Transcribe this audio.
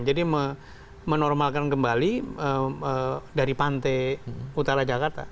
jadi menormalkan kembali dari pantai utara jakarta